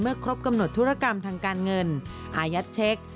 ครบกำหนดธุรกรรมทางการเงินอายัดเช็ค